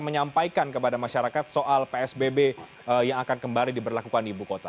menyampaikan kepada masyarakat soal psbb yang akan kembali diberlakukan di ibu kota